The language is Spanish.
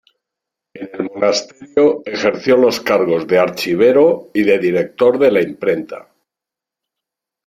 En el monasterio ejerció los cargos de archivero y de director de la imprenta.